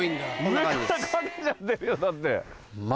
上からかけちゃってるよだって。